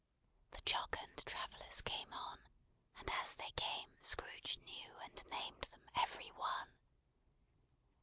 The jocund travellers came on; and as they came, Scrooge knew and named them every one.